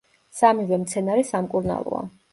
სამივე მცენარე სამკურნალოა.